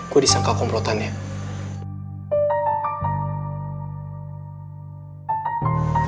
gue disangka komplotannya